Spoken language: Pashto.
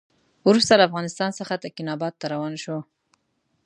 وروسته له افغانستان څخه تکیناباد ته روان شو.